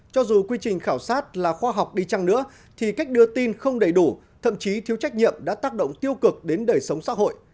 cho dù quy trình khảo sát là khoa học đi chăng nữa thì cách đưa tin không đầy đủ thậm chí thiếu trách nhiệm đã tác động tiêu cực đến đời sống xã hội